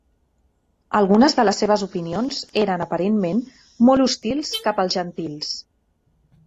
Algunes de les seves opinions eren aparentment molt hostils cap als gentils.